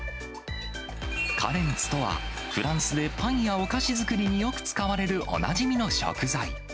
カレンツとは、フランスでパンやお菓子作りによく使われるおなじみの食材。